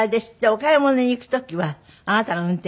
お買い物に行く時はあなたが運転する。